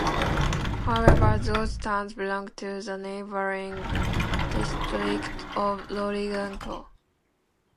However those towns belong to the neighboring district of Lurigancho.